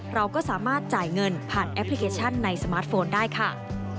เราก็สามารถจ่ายเงินผ่านแอปพลิเคชันในสมาร์ทโฟนได้ค่ะ